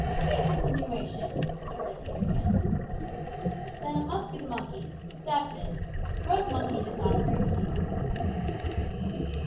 "Base insinuation!" retorted Peterkin. "Then it must be the monkey. That's it. Roast monkey does not agree with you."